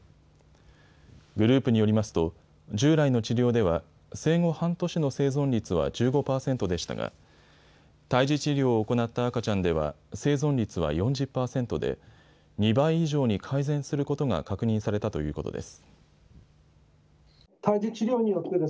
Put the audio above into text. グループによりますと従来の治療では生後半年の生存率は１５％でしたが胎児治療を行った赤ちゃんでは生存率は４０％で２倍以上に改善することが確認されたということです。